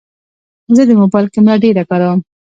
زه د موبایل کیمره ډېره کاروم.